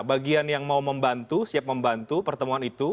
bagian yang mau membantu siap membantu pertemuan itu